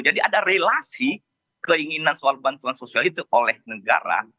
jadi ada relasi keinginan soal bantuan sosial itu oleh negara